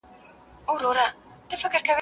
o خبري ښې کوي، لکۍ ئې کږې کوي.